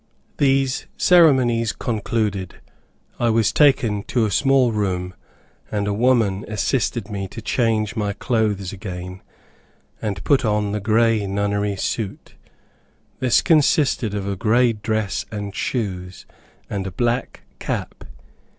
These ceremonies concluded. I was taken to a small room, and a woman assisted me to change my clothes again, and put on the Grey Nunnery suit. This consisted of a grey dress and shoes, and a black cap.